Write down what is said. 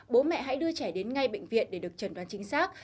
bố mẹ hãy đưa trẻ đến ngay bệnh viện để được trần đoán chính xác